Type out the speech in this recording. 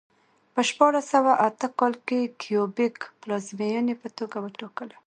په شپاړس سوه اته کال کې کیوبک پلازمېنې په توګه وټاکله.